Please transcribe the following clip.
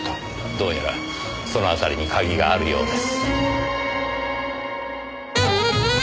どうやらその辺りに鍵があるようです。